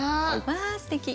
わあすてき。